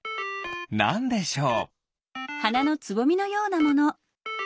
なんでしょう？